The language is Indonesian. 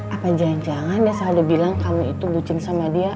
apa jangan jangan dia selalu bilang kamu itu bucin sama dia